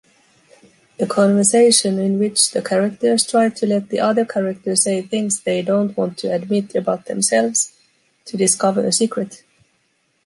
A conversation in which the characters tried to let the other character say things they don’t want to admit about themselves, to discover a secret.